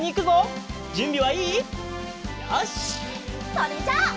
それじゃあ。